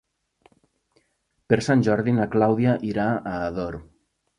Per Sant Jordi na Clàudia irà a Ador.